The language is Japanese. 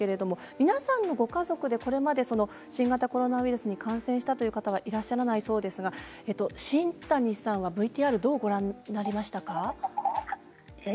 皆さんのご家族でこれまで新型コロナウイルスに感染したという方はいらっしゃらないそうですが新谷さん、ＶＴＲどうご覧になりましたか。